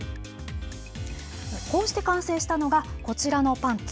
こうして完成したのがこちらのパンツ。